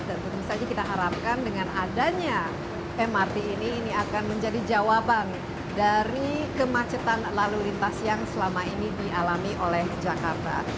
dan tentu saja kita harapkan dengan adanya mrt ini ini akan menjadi jawaban dari kemacetan lalu lintas yang selama ini dialami oleh jakarta